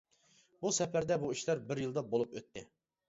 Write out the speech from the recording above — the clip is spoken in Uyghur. بۇ سەپەردە بۇ ئىشلار بىر يىلدا بولۇپ ئۆتتى.